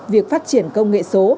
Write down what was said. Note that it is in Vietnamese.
việc phát triển công nghệ số